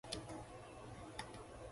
それとも、大事なものかな？